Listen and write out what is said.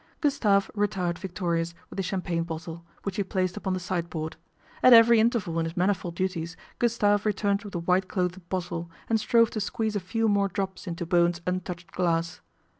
Gustave retired victorious with the champagne bottle, which he placed upon the sideboard. At every interval in his manifold duties, Gustave returned with the white clothed bottle, and strove to squeeze a few more drops into Bowen's un touched glass.